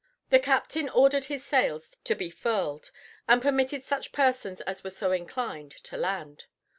The captain ordered his sails to be furled, and permitted such persons as were so inclined to land.